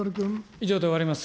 以上で終わります。